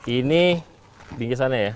ini bingkisannya ya